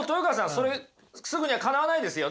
それすぐにはかなわないですよね。